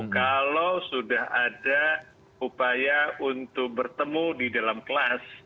kalau sudah ada upaya untuk bertemu di dalam kelas